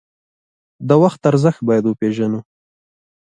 د وخت ارزښت باید وپیژنو.